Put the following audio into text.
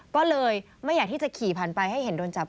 ก็เลยไม่อยากที่จะขี่ผ่านไปให้เห็นโดนจับ